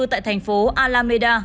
tại thành phố alameda